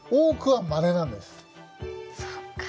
そっか。